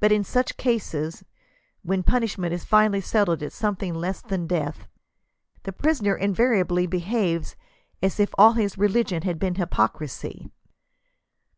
But in such cases, when punishment is finally settled at something less than death, the prisoner invariably behaves as if all his religion had been hypocrisy."